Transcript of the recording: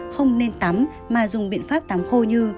không nên tắm mà dùng biện pháp tắm khô như